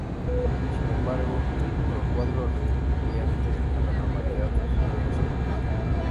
Sin embargo, el cuadro revierte a la normalidad en unos segundos.